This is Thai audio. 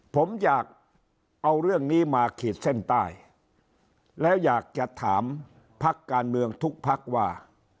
ผมอยากเอาเรื่องนี้มาขีดเส้นใต้แล้วอยากจะถามพักการเมืองทุกพักว่า